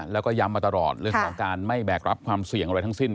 แล้วก็ย้ำมาตลอดเรื่องของการไม่แบกรับความเสี่ยงอะไรทั้งสิ้น